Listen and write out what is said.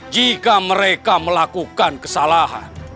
jika mereka melakukan kesalahan